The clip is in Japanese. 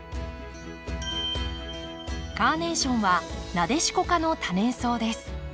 カーネーションはナデシコ科の多年草です。